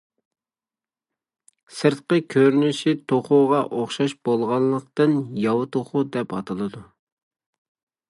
سىرتقى كۆرۈنۈشى توخۇغا ئوخشاش بولغانلىقتىن «ياۋا توخۇ» دەپمۇ ئاتىلىدۇ.